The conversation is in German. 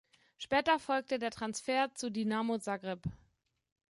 Später folgte der Transfer zu Dinamo Zagreb.